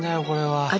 これは。